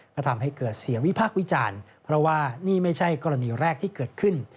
ก็ทำให้เกิดเสียงวิพากษ์วิจารณ์เพราะว่านี่ไม่ใช่กรณีแรกที่เกิดขึ้น